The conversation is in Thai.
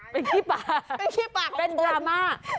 เป็นขี้ป่าเป็นดราม่า